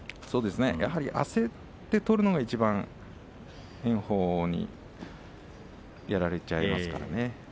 やはり焦って取るのはいちばん炎鵬にやられちゃいますからね。